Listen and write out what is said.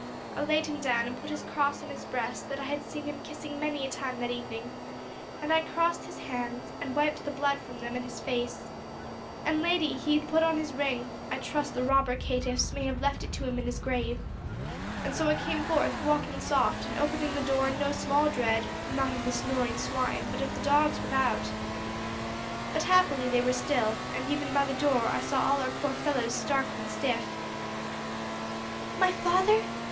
I laid him down, and put his cross on his breast that I had seen him kissing many a time that evening; and I crossed his hands, and wiped the blood from them and his face. And, lady, he had put on his ring; I trust the robber caitiff's may have left it to him in his grave. And so I came forth, walking soft, and opening the door in no small dread, not of the snoring swine, but of the dogs without. But happily they were still, and even by the door I saw all our poor fellows stark and stiff." "My father?"